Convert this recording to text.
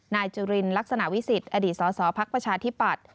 นายจุลินลักษณะวิสิทธิ์อดีตสสพักประชาธิปัตย